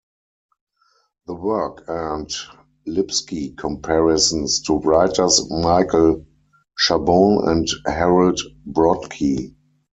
The work earned Lipsky comparisons to writers Michael Chabon and Harold Brodkey.